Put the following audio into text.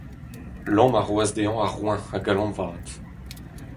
Lom a roas dezhañ ar roeñv a-galon-vat